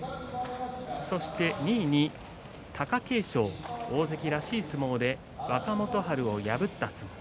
そして２位に貴景勝大関らしい相撲で若元春を破った相撲。